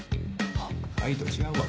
「はい」と違うわ。